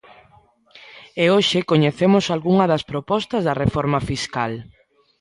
E hoxe coñecemos algunha das propostas da reforma fiscal.